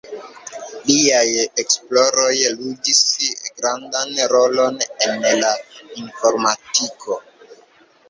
Liaj esploroj ludis grandan rolon en la informadiko.